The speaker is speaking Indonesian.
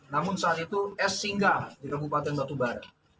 namun saat itu s singgah di kabupaten batubara